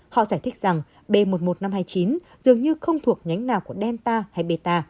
họ giải thích rằng b một một năm trăm hai mươi chín dường như không thuộc nhánh nào của delta hay beta